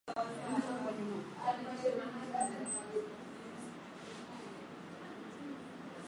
Ugonjwa wa mapafu hushambulia wanyama wa rika zote